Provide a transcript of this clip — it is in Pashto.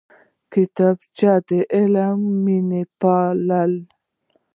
کتابچه د علم مینه پالي